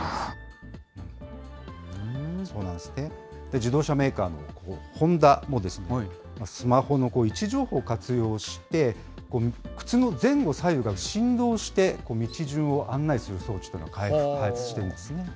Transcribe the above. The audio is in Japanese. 自動車メーカーのホンダも、スマホの位置情報を活用して、靴の前後左右が振動して、道順を案内する装置というのを開発していますね。